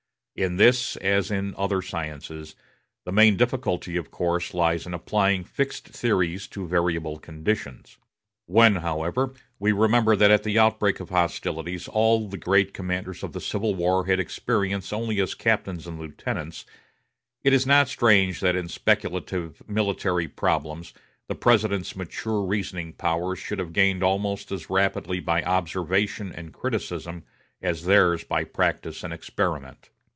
In this, as in other sciences, the main difficulty, of course, lies in applying fixed theories to variable conditions. When, however, we remember that at the outbreak of hostilities all the great commanders of the Civil War had experience only as captains and lieutenants, it is not strange that in speculative military problems the President's mature reasoning powers should have gained almost as rapidly by observation and criticism as theirs by practice and experiment.